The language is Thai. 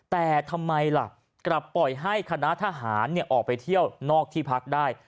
แต่ทำไมล่ะกลับปล่อยให้คณะทหารออกไปเที่ยวนอกที่พักได้